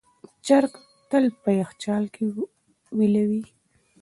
چرګ تل په یخچال کې ویلوئ.